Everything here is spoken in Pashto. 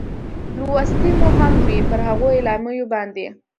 لوستې مو هم وې، پر هغو اعلامیو باندې.